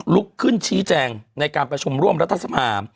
ลุกขึ้นชี้แจงในการประชุมร่วมรัฐสภา